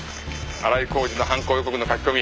「荒井幸次の犯行予告の書き込み」